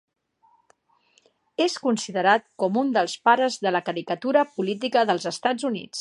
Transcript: És considerat com un dels pares de la caricatura política dels Estats Units.